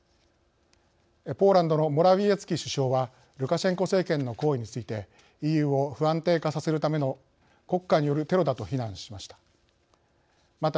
ポーランドのモラウィエツキ首相はルカシェンコ政権の行為についてＥＵを不安定化させるための国家によるテロだと非難しました。